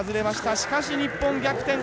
しかし日本逆転。